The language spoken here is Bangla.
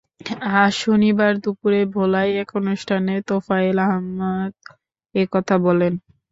আজ শনিবার দুপুরে ভোলায় এক অনুষ্ঠানে তোফায়েল আহমেদ এ কথা বলেন।